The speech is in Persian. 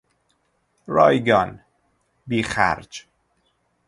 رایگان، بیخرج